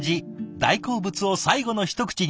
大好物を最後の一口に。